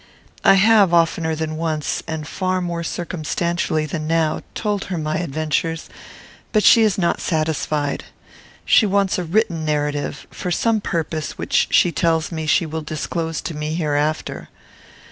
I have, oftener than once, and far more circumstantially than now, told her my adventures, but she is not satisfied. She wants a written narrative, for some purpose which she tells me she will disclose to me hereafter.